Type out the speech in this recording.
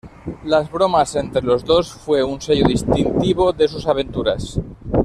Las bromas entre los dos fue un sello distintivo de sus aventuras.